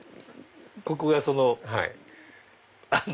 ここがそのあの。